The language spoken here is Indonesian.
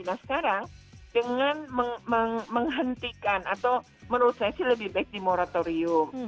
nah sekarang dengan menghentikan atau menurut saya sih lebih baik di moratorium